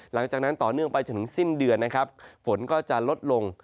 หลังจากนั้นต่อเนื่องไปจนถึงสิ้นเดือนนะครับฝนก็จะลดลง